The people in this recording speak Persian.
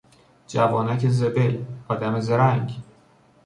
جوانک زبل، آدم زرنگ